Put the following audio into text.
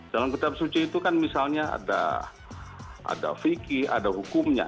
dalam kitab suci itu kan misalnya ada fikih ada hukumnya